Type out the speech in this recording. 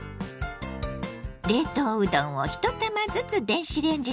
冷凍うどんを１玉ずつ電子レンジで解凍します。